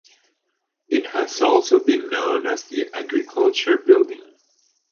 It has also been known as the Agriculture Building.